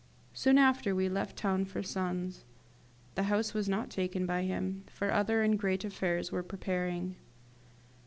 We soon after left town for Sens. The house was not taken by him, for other and great affairs were preparing.